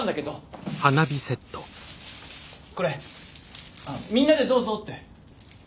これみんなでどうぞって。